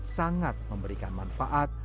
sangat memberikan manfaat